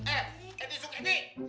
eh edi suk edi